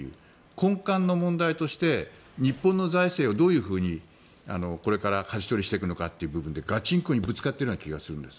根幹の問題として日本の財政をどういうふうにこれから、かじ取りしていくのかという部分でガチンコにぶつかっている気がするんです。